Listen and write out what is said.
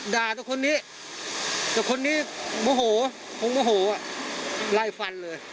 ด่าแต่คนเนี้ยแต่คนเนี้ยโมโหโมโมโหไร่ฟันเลย